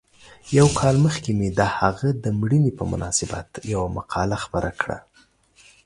یو کال مخکې مې د هغه د مړینې په مناسبت یوه مقاله خپره کړه.